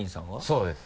そうです。